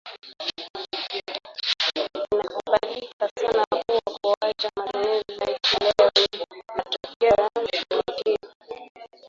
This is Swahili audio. Inakubalika sana kuwa kuacha matumizi ya kileo ni matokeo ya mafanikio